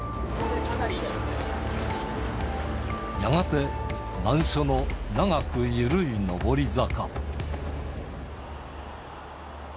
やがて、難所の長く緩い上り坂。